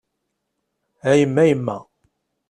A yemma yemma!